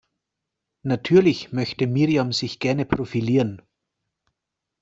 Natürlich möchte Miriam sich gerne profilieren.